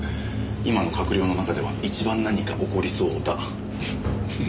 今の閣僚の中では一番何か起こりそうだ。